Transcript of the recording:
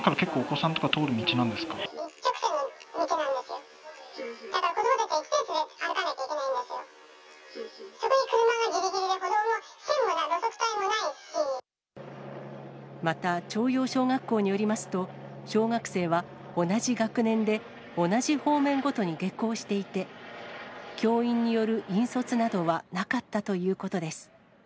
そこに車がぎりぎりで、また、朝陽小学校によりますと、小学生は同じ学年で、同じ方面ごとに下校していて、教員による引率などはなかったということです。